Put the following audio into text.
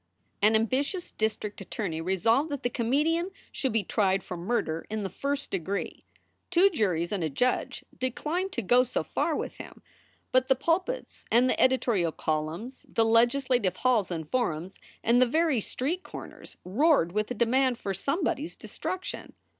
An ambitious district attorney resolved that the comedian should be tried for murder in the first degree. Two juries and a judge declined to go so far with him, but the pulpits and the editorial columns, the legislative halls and forums and the very street corners, roared with a demand for some body s destruction.